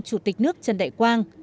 chủ tịch nước trần đại quang